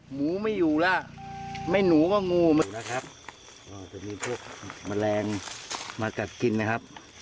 หมูไม่อยู่ล่ะไม่หนูก็งูนะครับมันแรงมากัดกินนะครับ